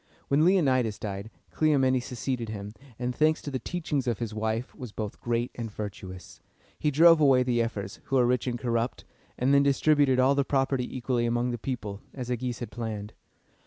When Leonidas died, Cleomenes succeeded him, and, thanks to the teachings of his wife, was both great and virtuous. He drove away the ephors, who were rich and corrupt, and then distributed all the property equally among the people, as Agis had planned.